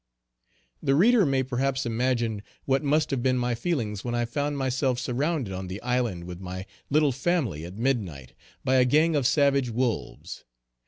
_ The reader may perhaps imagine what must have been my feelings when I found myself surrounded on the island with my little family, at midnight, by a gang of savage wolves.